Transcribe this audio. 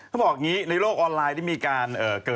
ต้องบอกอย่างนี้ในโลกออนไลน์ดีมีการ